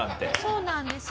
そうなんですよ。